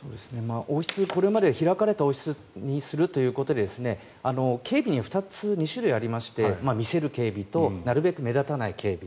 王室、これまで開かれた王室にするということで警備には２種類ありまして見せる警備となるべく目立たない警備。